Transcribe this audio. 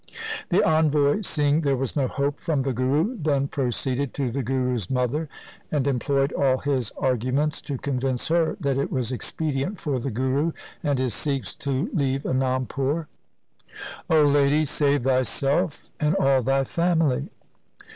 The envoy seeing there was no hope from the Guru then proceeded to the Guru's mother, and employed all his arguments to convince her that it was expedient for the Guru and his Sikhs to leave Anandpur —' O lady, save thyself and all thy family.